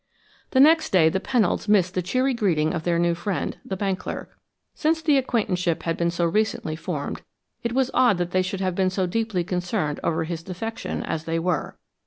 The next day the Pennolds missed the cheery greeting of their new friend, the bank clerk. Since the acquaintanceship had been so recently formed, it was odd that they should have been as deeply concerned over his defection as they were.